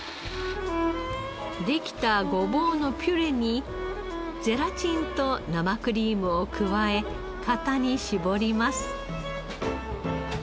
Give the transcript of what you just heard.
できたごぼうのピュレにゼラチンと生クリームを加え型に絞ります。